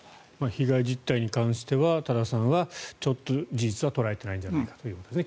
被害実態に関しては多田さんはちょっと事実は捉えていないんじゃないかということですね。